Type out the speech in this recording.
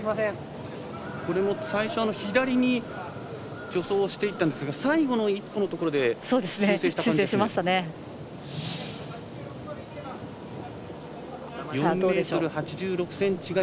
これも最初、左に助走していったんですが最後の１歩のところで修正した感じで。